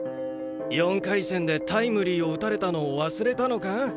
４回戦でタイムリーを打たれたのを忘れたのか？